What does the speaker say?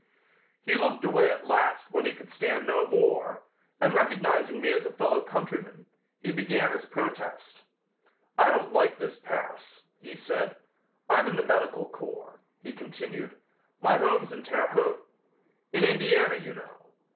He looked away at last when he could stand no more, and recognizing me as a fellow countryman, he began his protest. "I don't like this Paris," he said. "I'm in the medical corps," he continued. "My home's in Terre Haute. In Indiana, you know.